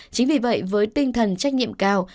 chính vì vậy với tinh thần trách nhiệm cao